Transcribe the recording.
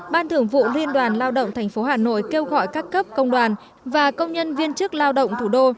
ban thưởng vụ liên đoàn lao động tp hà nội kêu gọi các cấp công đoàn và công nhân viên chức lao động thủ đô